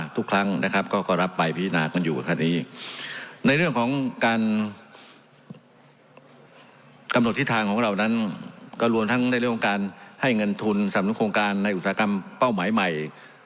ทั้งในเรื่องของการให้เงินทุนสำนุนโครงการในอุตสาหกรรมเป้าหมายใหม่